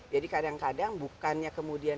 jadi kadang kadang bukannya kemudian